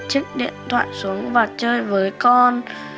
chức điện thoại xuống và chơi với con